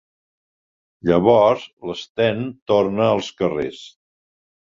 Llavors l'Sten torna als carrers.